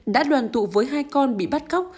đã đoàn tụ với hai con bị bắt cóc